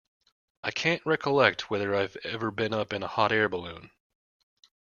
I can't recollect whether I've ever been up in a hot air balloon.